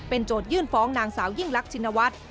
เป็นโจทยื่นฟ้องนางสาวยิ่งลักษณวัติ